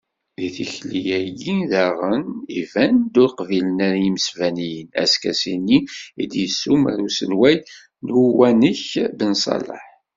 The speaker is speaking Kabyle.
Deg tikli-agi, daɣen, iban-d, ur qbilen ara yimesbaniyen, askasi-nni i d-yessumer uselway n uwanek Benṣalaḥ.